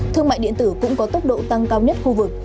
thương mại điện tử cũng có tốc độ tăng cao nhất khu vực